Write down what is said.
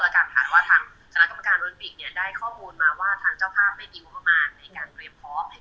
ประกาศฐานว่าทางศาลกรรมการโรนปิกได้ข้อมูลมาว่าทางเจ้าภาพไม่มีวงประมาณในการเตรียมพร้อมให้กับผู้ตัดสิน